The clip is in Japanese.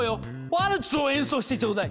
ワルツを演奏してちょうだい。